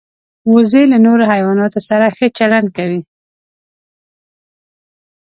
وزې له نورو حیواناتو سره ښه چلند کوي